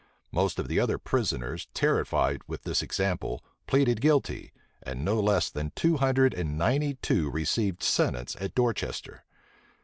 Most of the other prisoners, terrified with this example, pleaded guilty; and no less than two hundred and ninety two received sentence at Dorchester.